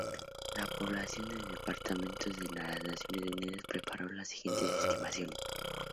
La Población de departamentos de las Naciones Unidas preparó las siguientes estimaciones.